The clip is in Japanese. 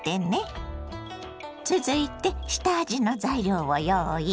続いて下味の材料を用意。